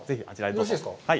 よろしいですか？